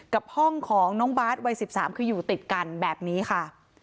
กับห้องของน้องบาทวัย๑๓คืออยู่ติดกันแบบนี้ค่ะ